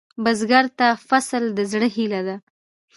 بزګر ته فصل د زړۀ هيله ده